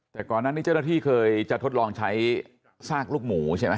แต่ก่อนนั้นนี่เจ้าหน้าที่เคยจะทดลองใช้ซากลูกหมูใช่ไหม